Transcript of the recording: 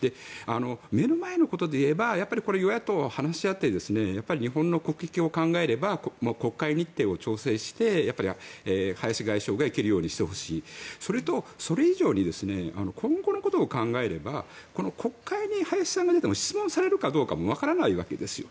目の前のことでいえば与野党、話し合って日本の国益を考えれば国会日程を調整して林外相が行けるようにしてほしいそれと、それ以上に今後のことを考えれば国会に林さんが出ても質問されるかどうかもわからないわけです。